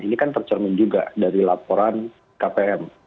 ini kan tercermin juga dari laporan kpm